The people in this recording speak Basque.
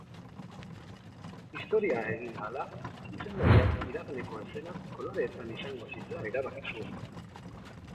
Istorioa egin ahala, zuzendariak iraganeko eszenak koloretan izango zirela erabaki zuen.